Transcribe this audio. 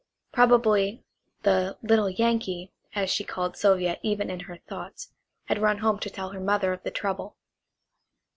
Probably the "little Yankee," as she called Sylvia even in her thoughts, had run home to tell her mother of the trouble.